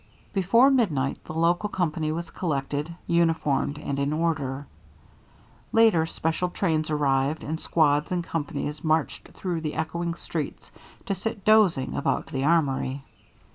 Before midnight the local company was collected, uniformed, and in order. Later special trains arrived, and squads and companies marched through the echoing streets, to sit dozing about the armory.